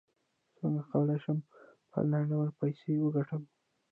څنګه کولی شم په انلاین ډول پیسې وګټم